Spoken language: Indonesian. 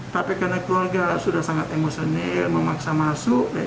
tapi karena keluarga sudah sangat emosional memaksa masuk